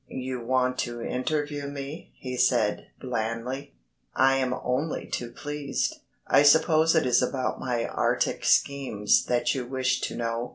"You want to interview me," he said, blandly. "I am only too pleased. I suppose it is about my Arctic schemes that you wish to know.